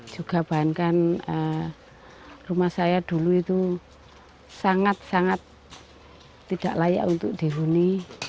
juga bahankan rumah saya dulu itu sangat sangat tidak layak untuk dihuni